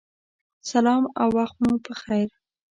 سلام او وخت مو پخیر